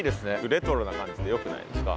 レトロな感じでよくないですか？